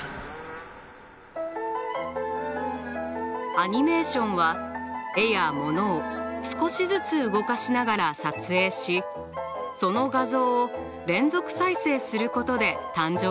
アニメーションは絵やモノを少しずつ動かしながら撮影しその画像を連続再生することで誕生しました。